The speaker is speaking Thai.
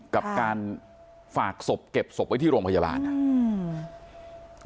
กับการฝากศพเก็บศพไว้ที่โรงพยาบาลนะครับ